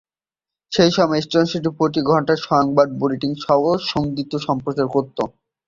সেই সময় স্টেশনটি প্রতি ঘন্টায় সংবাদ বুলেটিন এবং সহজ সঙ্গীত সম্প্রচার করত।